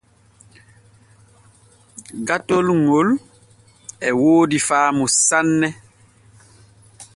Gatol ŋol e woodi faamu sanne.